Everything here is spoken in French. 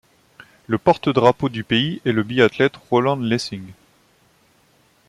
Le porte-drapeau du pays est le biathlète Roland Lessing.